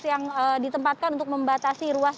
yang ditempatkan untuk membatasi ruas